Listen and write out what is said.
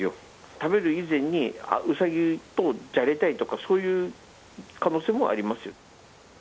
食べる以前にウサギとじゃれたいとかそういう可能性もあります。